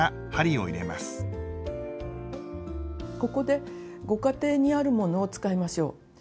ここでご家庭にあるものを使いましょう。